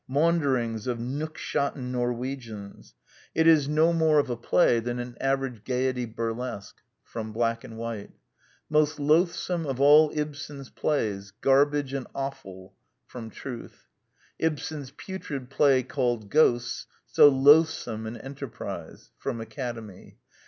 ... Maunderings of nookshotten Norwegians. ... It is no more of The Anti Idealist Plays loi a play than an average Gaiety burlesque." Black and White. " Most loathsome of all Ibsen's plays. ... Garbage and offal." Truth. " Ibsen's putrid play called Ghosts. ... So loathsome an enterprise." Academy.